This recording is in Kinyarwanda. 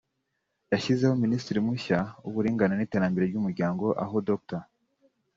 yashyizeho Minisitiri mushya w’Uburinganire n’Iterambere ry’Umuryango aho Dr